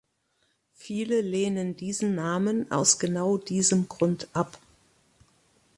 Viele lehnen diesen Namen aus genau diesem Grund ab.